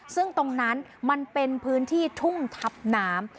ซึ่งตรงนั้นมันเป็นพื้นที่ทุ่งทับน้ำ